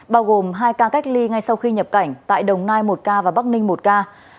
bao gồm hai ca cách ly ngay sau khi nhập cảnh tại đồng nai một ca và bắc ninh một ca